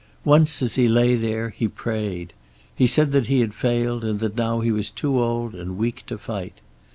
Once, as he lay there, he prayed. He said that he had failed, and that now he was too old and weak to fight.